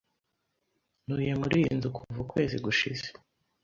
Ntuye muri iyi nzu kuva ukwezi gushize.